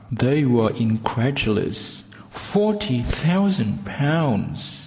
They were incredulous. Forty thousand pounds!